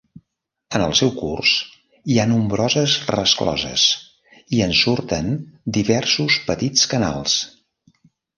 En el seu curs hi ha nombroses rescloses i en surten diversos petits canals.